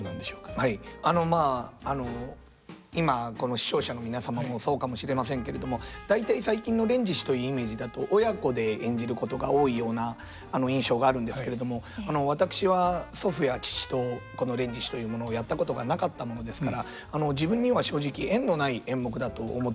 あのまああの今この視聴者の皆様もそうかもしれませんけれども大体最近の「連獅子」というイメージだと親子で演じることが多いような印象があるんですけれども私は祖父や父とこの「連獅子」というものをやったことがなかったものですから自分には正直縁のない演目だと思っておりました。